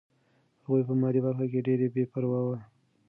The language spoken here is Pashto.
هغوی په مالي برخه کې ډېر بې پروا وو.